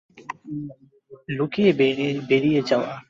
লুকিয়ে বেরিয়ে যাওয়া।